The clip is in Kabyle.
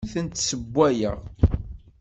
Ur tent-ssewwayeɣ.